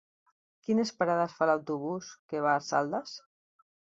Quines parades fa l'autobús que va a Saldes?